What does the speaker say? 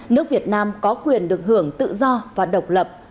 nước việt nam có quyền được hưởng tự do và độc lập